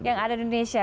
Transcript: yang ada di indonesia